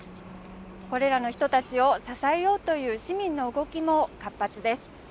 これらの人たちを支えようという市民の動きも活発です。